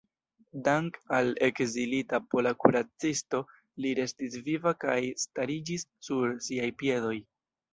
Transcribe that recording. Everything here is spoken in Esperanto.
Dank‘ al ekzilita pola kuracisto li restis viva kaj stariĝis sur siaj piedoj.